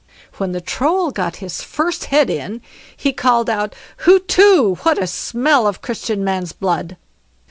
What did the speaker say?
When the Troll got his first head in he called out "HUTETU, what a smell of Christian man's blood!"